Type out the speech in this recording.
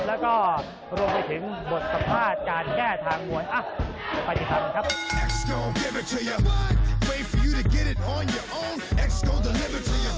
แล้วก็รวมไปถึงบทสัมภาษณ์การแก้ทางมวล